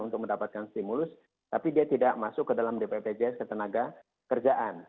untuk mendapatkan stimulus tapi dia tidak masuk ke dalam bpjs ketenagakerjaan